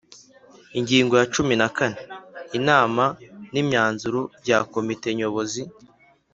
Ingingo ya cumi na kane : Inama n’Imyanzuro bya Komite Nyobozi.